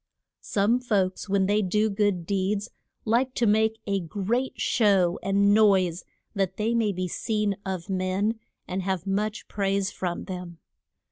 Some folks when they do good deeds like to make a great show and noise, that they may be seen of men, and have much praise from them.